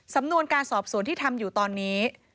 สำนวนการสอบสวนที่ทำอยู่ตอนนี้